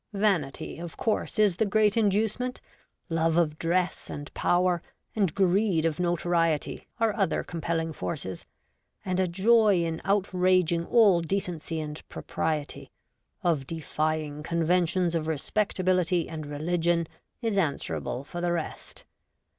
Vanity, of course, is the great inducement ; love of dress ahd power, and greed of notoriety, are other compelling forces ; and a joy in outraging all decency and propriety, of defying conventions of respectability and religion, is answerable for the rest.